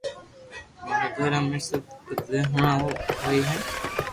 ماري گھر امي سب پندھري ھڻا ڀاتي ھين